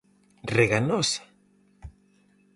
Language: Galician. ¿Reganosa?